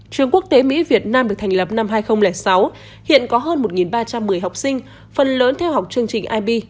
trường quốc tế mỹ việt nam được thành lập năm hai nghìn sáu hiện có hơn một ba trăm một mươi học sinh phần lớn theo học chương trình ib